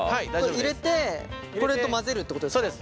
入れてこれと混ぜるってことですか？